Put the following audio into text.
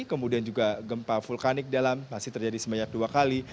kemudian juga gempa vulkanik dalam masih terjadi sebanyak dua kali